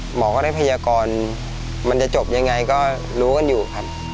หมอก็ได้พยากรมันจะจบยังไงก็รู้กันอยู่ครับ